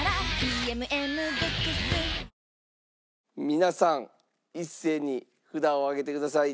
皆さん一斉に札を上げてください。